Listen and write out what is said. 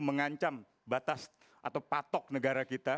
mengancam batas atau patok negara kita